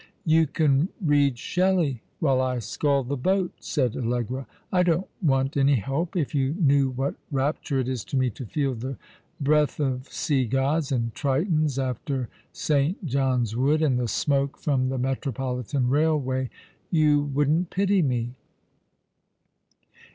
" You can read Shelley w^hile I scull the boat," said Allegra. " I don't want any help. If you knew what rapture it is to me to feel the breath of Seagods and Tritons after St. John's Wood, and the smoke from the Metropolitan Eailway, you wouldn't pity me."